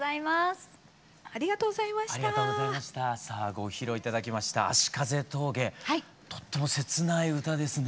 さあご披露頂きました「葦風峠」とっても切ない歌ですね。